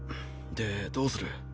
でどうする？